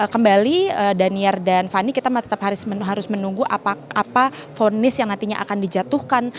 kembali danier dan fanny kita tetap harus menunggu apa vonis yang nantinya akan dijadwal